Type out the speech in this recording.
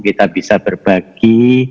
kita bisa berbagi